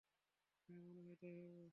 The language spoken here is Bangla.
হ্যাঁ, মনে হয় তাই হবে।